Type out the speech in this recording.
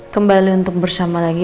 kembali untuk bersama lagi